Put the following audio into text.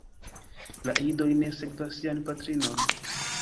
La idoj ne sekvas sian patrinon.